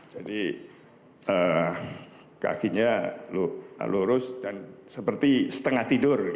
jadi kakinya lurus dan seperti setengah tidur